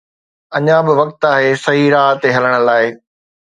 اڃا به وقت آهي صحيح راهه تي هلڻ لاءِ